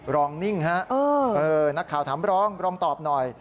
นิ่งฮะนักข่าวถามรองรองตอบหน่อย